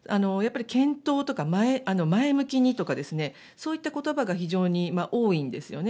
やっぱり検討とか前向きにとかそういった言葉が非常に多いんです。